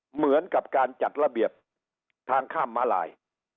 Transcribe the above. เหมือนกับการจัดระเบียบทางข้ามมาลาย